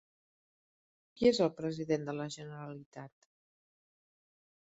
Qui és el president de la Generalitat?